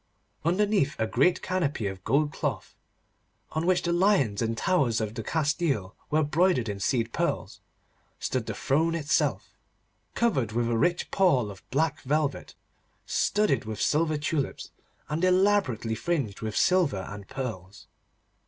Underneath a great canopy of gold cloth, on which the lions and towers of Castile were broidered in seed pearls, stood the throne itself, covered with a rich pall of black velvet studded with silver tulips and elaborately fringed with silver and pearls.